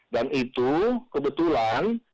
dan itu kebetulan